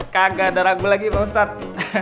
kagak ada ragu lagi pak ustadz